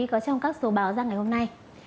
có trong các số báo ra ngày hôm nay